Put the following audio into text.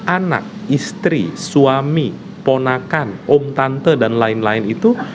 anak istri suami ponakan om tante dan lain lain itu